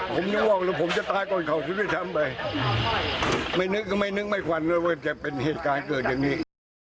ผมยังว่าว่าผมจะตายก่อนข่าวชีวิตทำไปไม่นึกก็ไม่นึกไม่ควันเลยว่าจะเป็นเหตุการณ์เกิดอย่างนี้